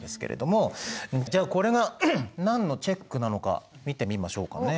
もじゃあこれが何のチェックなのか見てみましょうかね。